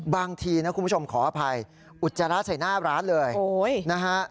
บางทีนะคุณผู้ชมขออภัยอุจจาระใส่หน้าร้านเลยนะฮะ